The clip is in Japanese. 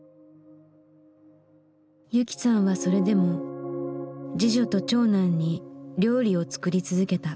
雪さんはそれでも次女と長男に料理を作り続けた。